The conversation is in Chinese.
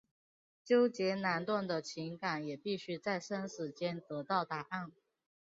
纠结难断的情感也必须在生死间得到答案。